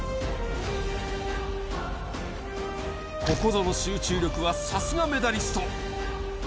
ここぞの集中力はさすがメダリスト。